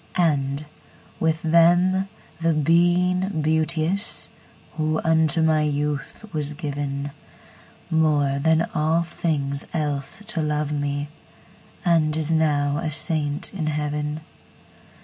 And with them the Being Beauteous, Who unto my youth was given, More than all things else to love me, And is now a saint in heaven.